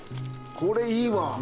これいいわ。